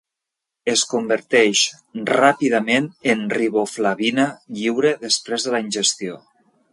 Es converteix ràpidament en riboflavina lliure després de la ingestió.